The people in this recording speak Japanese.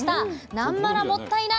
「なんまらもったいない！